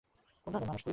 কোন ধরনের মানুষ তুই?